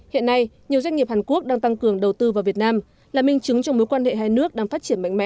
hiện nay nhiều doanh nghiệp hàn quốc đang tăng cường đầu tư vào việt nam là minh chứng trong mối quan hệ hai nước đang phát triển mạnh mẽ